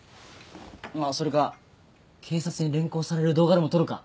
それか警察に連行される動画でも撮るか？